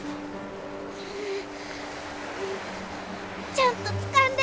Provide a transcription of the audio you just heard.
ちゃんとつかんで！